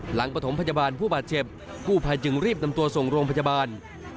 ปฐมพยาบาลผู้บาดเจ็บกู้ภัยจึงรีบนำตัวส่งโรงพยาบาล